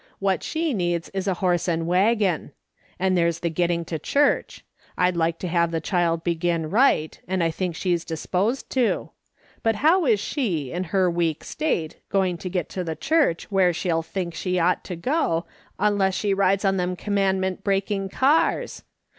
What she needs is a horse and waggon. And there's the getting to church. I'd like to have the child begin right, and I think she's disposed to ; but how is she, in her weak state, going to get to the church where she'll think she ought to go, unless she rides on them commandment breaking cars